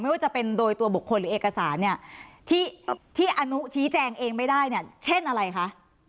ไม่ว่าจะเป็นโดยตัวบุคคลหรือเอกสารเนี่ยที่อนุชี้แจงเองไม่ได้เนี่ยเช่นอะไรคะ